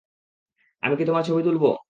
আমি কি তোমার ছবি তুলবো?